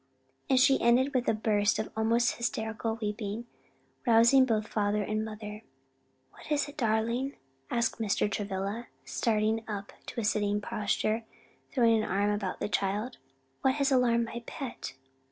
and she ended with a burst of almost hysterical weeping, rousing both father and mother. "What is it, darling?" asked Mr. Travilla, starting up to a sitting posture, and throwing an arm about the child, "what has alarmed my pet?"